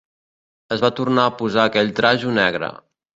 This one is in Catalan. Es va tornar a posar aquell trajo negre